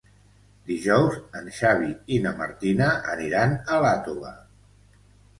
Dijous en Xavi i na Martina aniran a Iàtova.